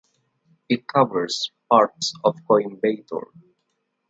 It covers parts of Coimbatore.